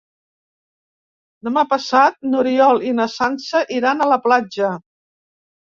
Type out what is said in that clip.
Demà passat n'Oriol i na Sança iran a la platja.